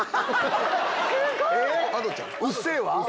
『うっせぇわ』？